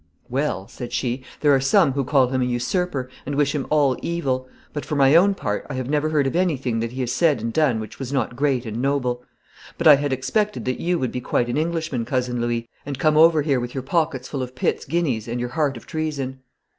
'Well,' said she, 'there are some who call him a usurper, and wish him all evil; but for my own part I have never heard of anything that he has said and done which was not great and noble. But I had expected that you would be quite an Englishman, Cousin Louis, and come over here with your pockets full of Pitt's guineas and your heart of treason.'